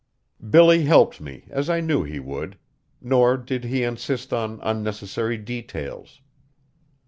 Billy helped me, as I knew he would; nor did he insist on unnecessary details.